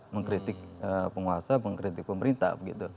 mengkritik penguasa mengkritik pemerintah begitu